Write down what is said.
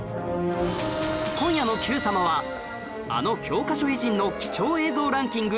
今夜の『Ｑ さま！！』はあの教科書偉人の貴重映像ランキング